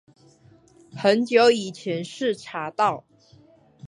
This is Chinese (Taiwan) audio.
很久以前是查到